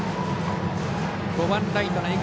５番ライトの江口。